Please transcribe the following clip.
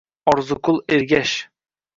Orziqul Ergash